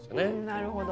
なるほど。